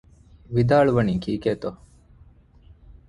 ވިދާޅުވަނީ ކީކޭތޯ؟